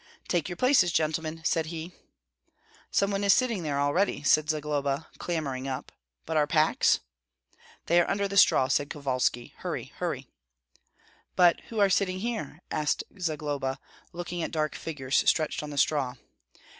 "Take your places, gentlemen," said he. "Some one is sitting there already," said Zagloba, clambering up. "But our packs?" "They are under the straw," said Kovalski; "hurry, hurry!" "But who are sitting here?" asked Zagloba, looking at dark figures stretched on the straw.